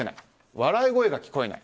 笑い声が聞こえない。